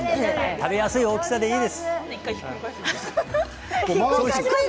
食べやすい大きさでいいんです。